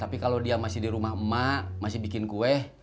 apalagi jalan kaki jauh